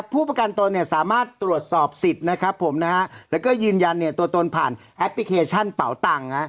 ผู้ประกันตนสามารถตรวจสอบสิทธิ์และยืนยันตัวตนผ่านแอปพลิเคชันเป่าตังค์